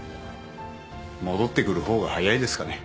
戻ってくる方が早いですかね。